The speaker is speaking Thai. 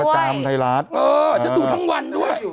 เออฉันดูทั้งวันด้วย